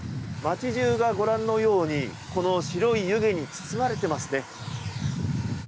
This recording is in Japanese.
町中がご覧のようにこの白い湯気に包まれてます。